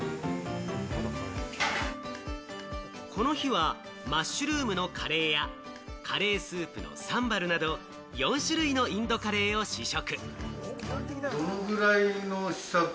この日はマッシュルームのカレーやカレースープのサンバルなど４種類のインドカレーを試食。